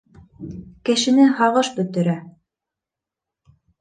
Кешене һағыш бөтөрә.